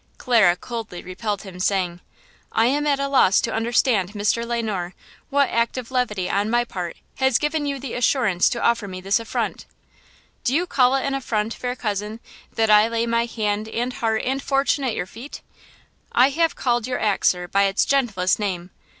Clara coldly repelled him, saying: "I am at a loss to understand, Mr. Le Noir, what act of levity on my part has given you the assurance to offer me this affront!" "Do you call it an affront, fair cousin, that I lay my hand and heart and fortune at your feet?" "I have called your acts sir, by its gentlest name.